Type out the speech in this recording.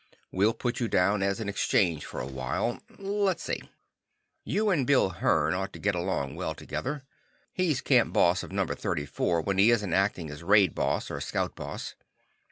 We'll put you down as an exchange for a while. Let's see. You and Bill Hearn ought to get along well together. He's Camp Boss of Number 34 when he isn't acting as Raid Boss or Scout Boss.